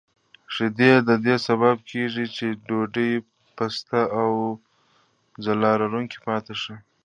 شیدې د دې سبب کېږي چې ډوډۍ پسته او ځلا لرونکې پاتې شي.